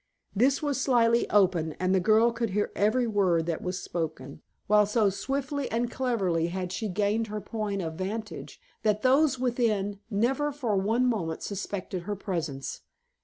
This was slightly open, and the girl could hear every word that was spoken, while so swiftly and cleverly had she gained her point of vantage, that those within never for one moment suspected her presence.